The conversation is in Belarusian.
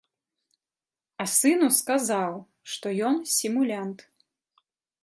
А сыну сказаў, што ён сімулянт.